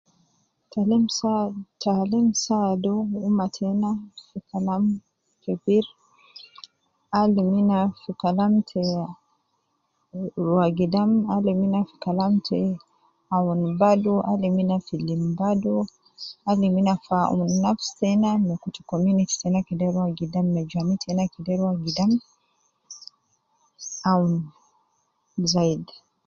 Taalim saa, taalim saadu umma tena, fi kalam kebir, alim ina fi kalam te rua gidam, alim ina fi kalam te awun badu alim ina fi lim badu, alim ina fi awun nafsi tena me kutu community tena kede rua gidam , me jami tena kede rua gidam ,awun, zaidi